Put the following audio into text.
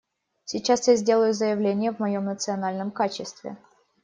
Сейчас я сделаю заявление в моем национальном качестве.